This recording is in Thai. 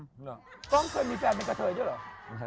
ก้องเคยมีแฟนเป็นกับเธอยังหรอ